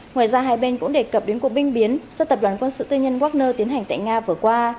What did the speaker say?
ngoài ra hai bên cũng đề cập đến cuộc binh biến do tập đoàn quân sự tư nhân wagner tiến hành tại nga vừa qua